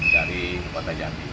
dari kota jambi